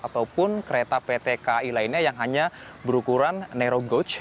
ataupun kereta ptki lainnya yang hanya berukuran narrow gauge